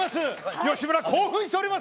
吉村、興奮しています。